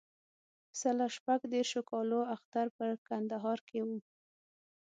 پسله شپږ دیرشو کالو اختر په کندهار کې و.